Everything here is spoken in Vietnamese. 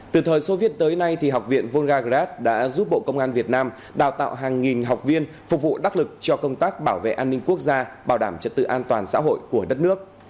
từ thời soviet tới nay học viện volga grab đã giúp bộ công an việt nam đào tạo hàng nghìn học viên phục vụ đắc lực cho công tác bảo vệ an ninh quốc gia bảo đảm trật tự an toàn xã hội của đất nước